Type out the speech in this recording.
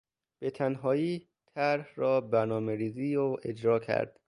به تنهایی طرح را برنامه ریزی و اجرا کرد.